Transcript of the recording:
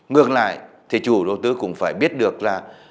ngược lại thì chủ đầu tư cũng phải biết được là